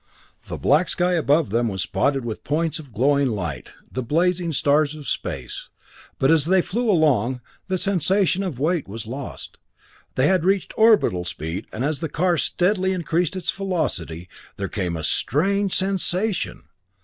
The black sky above them was spotted with points of glowing light, the blazing stars of space. But as they flew along, the sensation of weight was lost; they had reached orbital speed, and as the car steadily increased its velocity, there came a strange sensation!